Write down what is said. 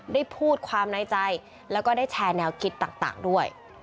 ได้พูดความในใจแล้วก็ได้แชร์แนวคิดต่างด้วย